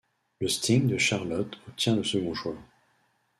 Le Sting de Charlotte obtient le second choix.